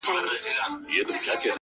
پوليس د کور ځيني وسايل له ځان سره وړي.